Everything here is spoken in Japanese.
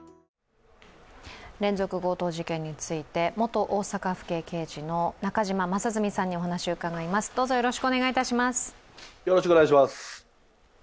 連続強盗事件について元大阪府警刑事の中島正純さんにお話を伺います。